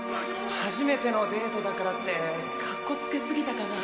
初めてのデートだからってかっこつけすぎたかなぁ？